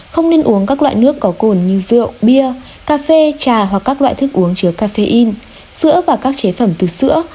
không nên uống các loại nước có cồn như rượu bia cà phê trà hoặc các loại thức uống chứa caffeine sữa và các chế phẩm từ sữa